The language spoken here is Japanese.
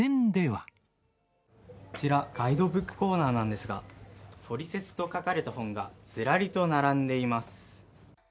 こちら、ガイドブックコーナーなんですが、トリセツと書かれた本が、ずらりと並んでいます。